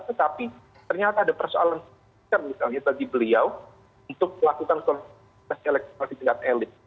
tetapi ternyata ada persoalan misalnya bagi beliau untuk melakukan elektoral di tingkat elit